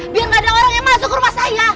biar gak ada orang yang masuk ke rumah saya